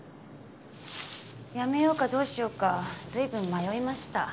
辞めようかどうしようか随分迷いました。